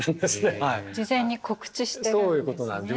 事前に告知してるんですね。